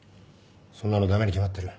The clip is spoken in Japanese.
そんなの駄目に決まってる。